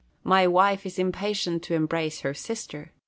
My wife is impatient to embrace her sister.